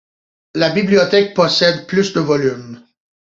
La bibliothèque possède plus de volumes.